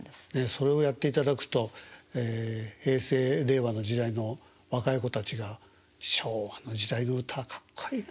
それをやっていただくと平成令和の時代の若い子たちが昭和の時代の歌かっこいいな。